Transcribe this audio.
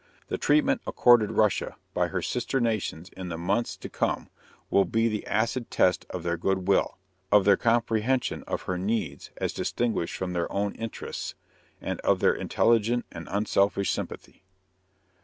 The treatment accorded Russia by her sister nations in the months to come will be the acid test of their good will, of their comprehension of her needs as distinguished from their own interests, and of their intelligent and unselfish sympathy.